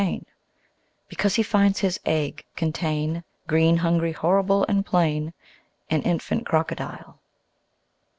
Because he finds his egg contain Green, hungry, horrible and plain An Infant Crocodile.